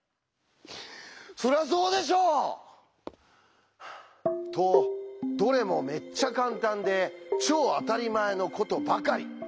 そりゃあそうでしょ！とどれもめっちゃカンタンで超あたりまえのことばかり。